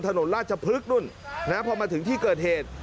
ถนนราชพลึกนู่นนะครับพอมาถึงที่เกิดเหตุ